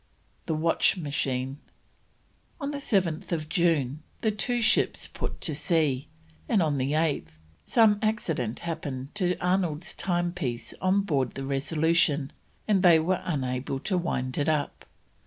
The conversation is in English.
THE WATCH MACHINE. On 7th June the two ships put to sea, and on the 8th some accident happened to Arnold's timepiece on board the Resolution, and they were unable to wind it up.